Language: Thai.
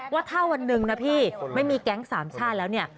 ว่าถ้าวันหนึ่งนะพี่ไม่มีแก๊งสามชาติแล้วเนี่ย